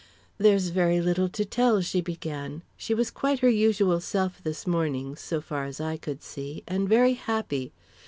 "There's very little to tell," she began. "She was quite her usual self this morning, so far as I could see, and very happy.